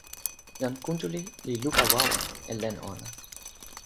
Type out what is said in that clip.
jan Kuntuli li luka wawa e len ona.